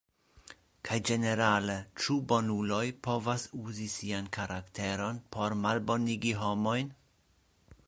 Kaj ĝenerale, ĉu bonuloj povas uzi sian karakteron por malbonigi homojn?